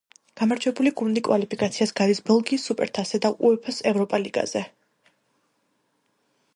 გამარჯვებული გუნდი კვალიფიკაციას გადის ბელგიის სუპერთასზე და უეფა-ს ევროპა ლიგაზე.